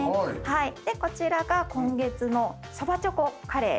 でこちらが今月のそばちょこカレー。